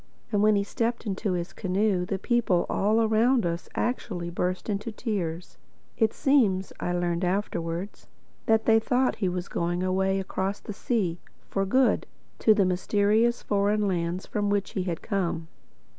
And when he stepped into his canoe, the people all around us actually burst into tears. It seems (I learned this afterwards) that they thought he was going away across the sea, for good, to the mysterious foreign lands from which he had come.